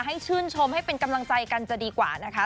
ชื่นชมให้เป็นกำลังใจกันจะดีกว่านะคะ